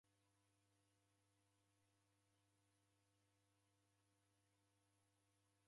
Mzuri usaghulo ni Mlungu.